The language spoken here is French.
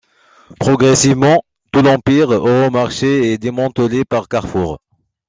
Progressivement, tout l'empire Euromarché est démantelé par Carrefour.